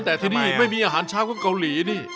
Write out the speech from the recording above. แต่ทีนี้ยังไม่มีอาหารชาวคนเกาหลี